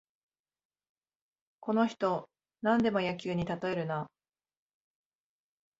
この人、なんでも野球にたとえるな